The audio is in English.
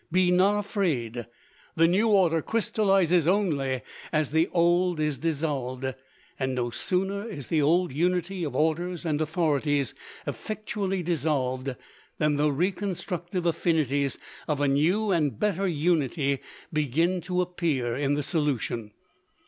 Be not afraid. The new order crystallizes only as the old is dissolved; and no sooner is the old unity of orders and authorities effectually dissolved than the reconstructive affinities of a new and better unity begin to appear in the solution.